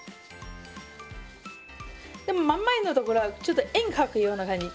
でも真ん前の所はちょっと円描くような感じ。